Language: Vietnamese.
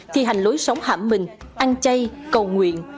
thi hành lối sống hạm mình ăn chay cầu nguyện